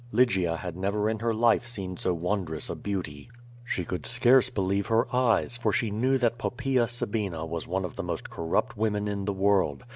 Lygia had never in her life seen so wondrous a beauty. She could scarce believe her eyes, for she knew that Poppaea Sabina was one of the most corrupt women in the world.